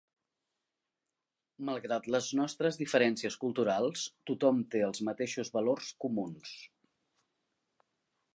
Malgrat les nostres diferències culturals, tothom té els mateixos valors comuns.